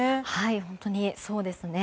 本当にそうですね。